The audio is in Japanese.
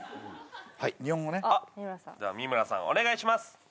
はいでは三村さんお願いします